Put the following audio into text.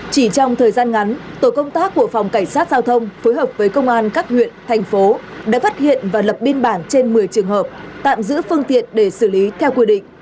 chỉ trong thời gian ngắn tổ công tác của phòng cảnh sát giao thông phối hợp với công an các huyện thành phố đã phát hiện và lập biên bản trên một mươi trường hợp tạm giữ phương tiện để xử lý theo quy định